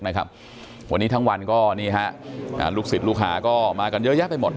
วันนี้ทั้งวันลูกศึกฐานมากันที่สุด